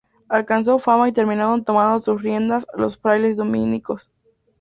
Alcanzó fama y terminaron tomando sus riendas los frailes dominicos.